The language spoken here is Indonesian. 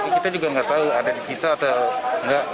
kita juga nggak tahu ada di kita atau enggak